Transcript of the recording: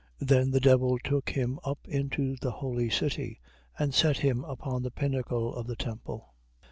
4:5. Then the devil took him up into the holy city, and set him upon the pinnacle of the temple, 4:6.